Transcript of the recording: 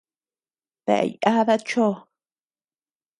¿Daë yada chó?